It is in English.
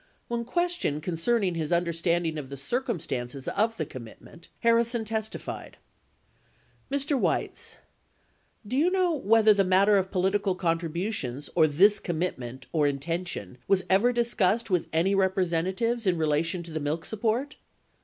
30 When questioned concerning his understanding of the circumstances of the commitment, Harrison testified : Mr. Weitz. Do you know whether the matter of political contributions or this commitment or intention was ever dis cussed with any representatives in relation to the milk support